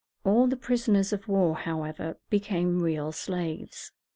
All the prisoners of war, however, became real slaves.